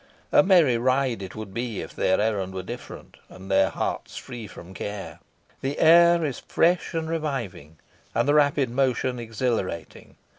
A merry ride it would be if their errand were different, and their hearts free from care. The air is fresh and reviving, and the rapid motion exhilarating.